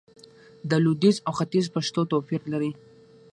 د لويديځ او ختيځ پښتو توپير لري